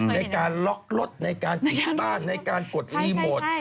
ในการล็อกรถในการปิดบ้านในการกดรีโมท